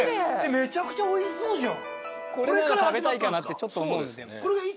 めちゃめちゃうまそうじゃん。